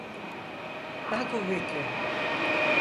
Daha kuvvetli!